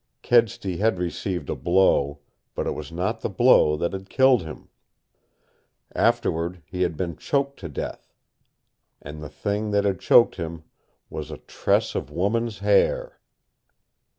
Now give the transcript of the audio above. Kedsty had received a blow, but it was not the blow that had killed him. Afterward he had been choked to death. And the thing that had choked him was a TRESS OF WOMAN'S HAIR.